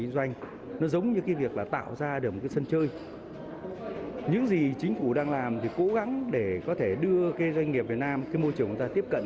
doanh nghiệp việt nam cái môi trường chúng ta tiếp cận